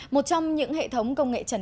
một trong những hệ thống công nghệ trần